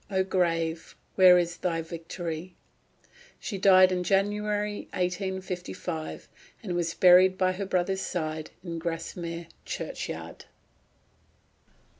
O grave, where is thy victory?'" She died in January 1855, and was buried by her brother's side in Grasmere Churchyard.